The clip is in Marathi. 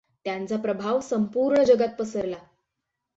त्यांचा प्रभाव संपूर्ण जगात पसरला.